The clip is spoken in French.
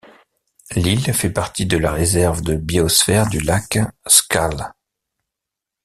L'île fait partie de la réserve de biosphère du lac Schaal.